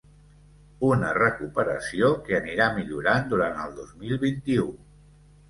Una recuperació que anirà millorant durant el dos mil vint-i-u.